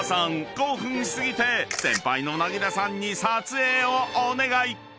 興奮し過ぎて先輩のなぎらさんに撮影をお願い］